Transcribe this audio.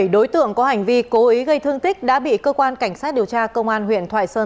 bảy đối tượng có hành vi cố ý gây thương tích đã bị cơ quan cảnh sát điều tra công an huyện thoại sơn